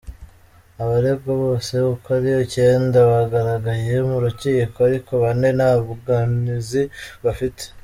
Abaregwa bose uko ari icyenda bagaragaye mu rukiko ariko bane nta bunganizi bafite.